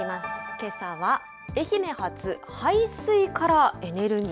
けさは、愛媛発排水からエネルギー。